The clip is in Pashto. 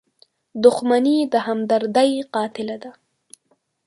• دښمني د همدردۍ قاتله ده.